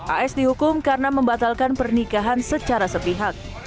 as dihukum karena membatalkan pernikahan secara sepihak